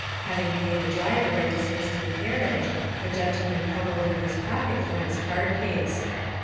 Having paid the driver and dismissed the carriage, the gentleman fumbled in his pocket for his card case.